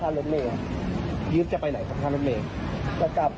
ลั้งเวลาไม่เคยว่ามีปืนเราคุยแบบน้องนะอย่างไร